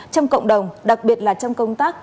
trong cộng đồng đặc biệt là trong công tác